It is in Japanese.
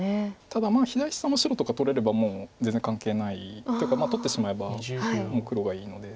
ただ左下の白とか取れればもう全然関係ないというか取ってしまえばもう黒がいいので。